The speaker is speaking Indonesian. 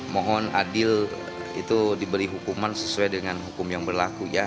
mohon adil itu diberi hukuman sesuai dengan hukum yang berlaku ya